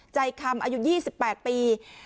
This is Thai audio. คำอายุ๒๘ปี